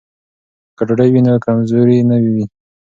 که ډوډۍ وي نو کمزوري نه وي.